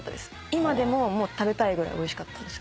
今でも食べたいぐらいおいしかったんですよ。